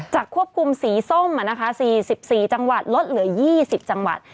ควบคุมสีส้ม๔๔จังหวัดลดเหลือ๒๐จังหวัด